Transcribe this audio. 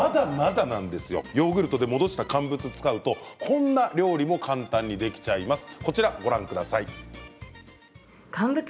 ヨーグルトで戻した乾物を使うとこんな料理も簡単にできちゃいます。